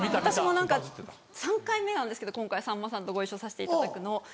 私も３回目なんですけど今回さんまさんとご一緒させていただくの。